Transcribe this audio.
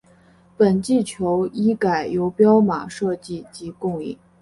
本季球衣改由彪马设计及供应。